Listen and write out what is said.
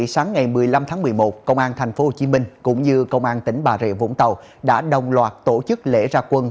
sáng ngày một mươi năm tháng một mươi một công an tp hcm cũng như công an tỉnh bà rịa vũng tàu đã đồng loạt tổ chức lễ ra quân